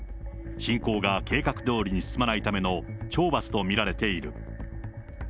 侵攻が計画どおりに進まないための懲罰と見られている。